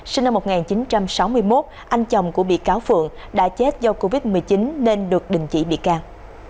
sinh năm một nghìn chín trăm sáu mươi một anh chồng của bị cáo phượng đã chết do covid một mươi chín nên được đình chỉ bị cao